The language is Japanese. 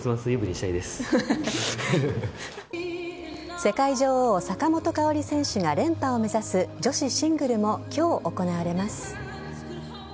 世界女王・坂本花織選手が連覇を目指す女子シングルも今日行われます。